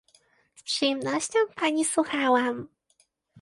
Z przyjemnością pani słuchałam